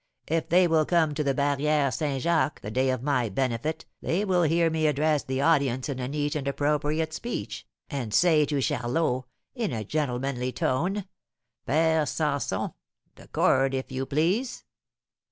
If they will come to the Barrière St. Jacques the day of my benefit they will hear me address the audience in a neat and appropriate speech, and say to Charlot, in a gentlemanly tone, 'Père Sampson, the cord if you please.'"